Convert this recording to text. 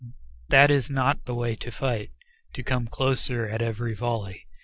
That is not the way to fight, to come closer at every volley."